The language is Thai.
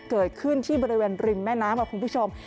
เกิดขึ้นที่บริเวณริมแม่น้ำค่ะคุณผู้ชม